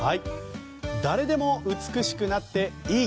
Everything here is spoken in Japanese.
誰でも美しくなっていい。